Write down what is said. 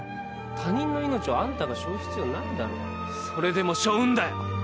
他人の命をあんたが背負う必要ないだろそれでも背負うんだよ！